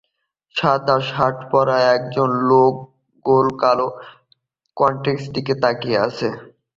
সাদা শার্ট পরা একজন লোক গোল কালো কনটেইনারের দিকে তাকিয়ে আছে